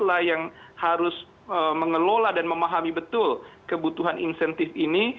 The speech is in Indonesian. lah yang harus mengelola dan memahami betul kebutuhan insentif ini